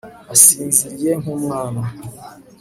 asinziriye nk'umwana